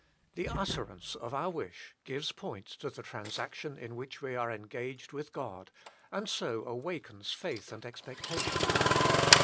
The utterance of our wish gives point to the transaction in which we are engaged with God, and so awakens faith and expectation.